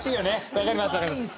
分かります。